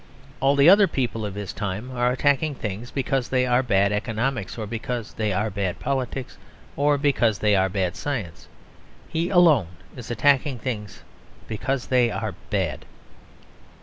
All the other people of his time are attacking things because they are bad economics or because they are bad politics, or because they are bad science; he alone is attacking things because they are bad.